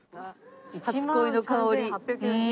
初恋の香り。